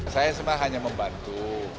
saya semua hanya membantu